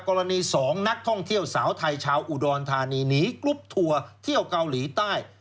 กรณี๒นักท่องเที่ยวสาวไทยชาวอุดรธานีหนีกรุ๊ปทัวร์เที่ยวเกาหลีใต้